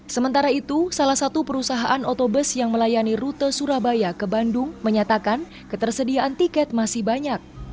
sementara itu salah satu perusahaan otobus yang melayani rute surabaya ke bandung menyatakan ketersediaan tiket masih banyak